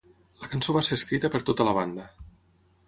La cançó va ser escrita per tota la banda.